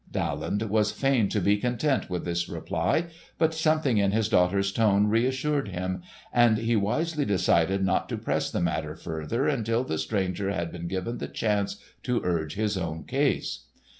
Daland was fain to be content with this reply, but something in his daughter's tone reassured him, and he wisely decided not to press the matter further until the stranger had been given the chance to urge his own case.